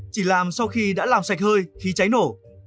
chỉ làm sau khi đã làm sạch hơi khí cháy nổ